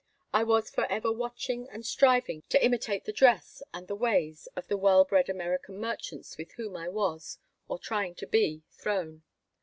I was forever watching and striving to imitate the dress and the ways of the well bred American merchants with whom I was, or trying to be, thrown.